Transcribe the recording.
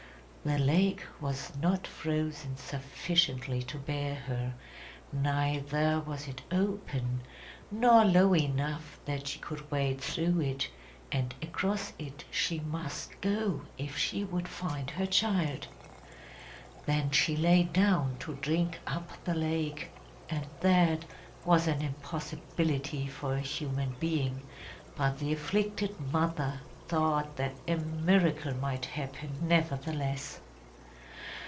The lake was not frozen sufficiently to bear her; neither was it open, nor low enough that she could wade through it; and across it she must go if she would find her child! Then she lay down to drink up the lake, and that was an impossibility for a human being, but the afflicted mother thought that a miracle might happen nevertheless.